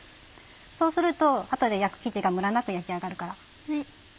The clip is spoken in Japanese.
そうすると後で焼く生地がムラなく焼き上がるから。